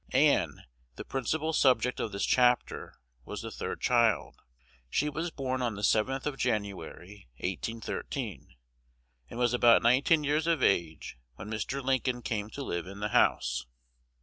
Ann, the principal subject of this chapter, was the third child. She was born on the 7th of January, 1813, and was about nineteen years of age when Mr. Lincoln came to live in the house.